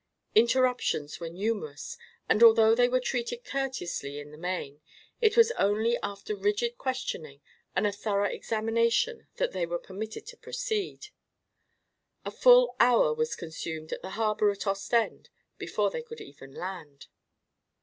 Interruptions were numerous, and although they were treated courteously, in the main, it was only after rigid questioning and a thorough examination that they were permitted to proceed. A full hour was consumed at the harbor at Ostend before they could even land.